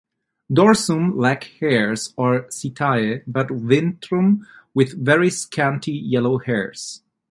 Dorsum lack hairs or setae but ventrum with very scanty yellow hairs.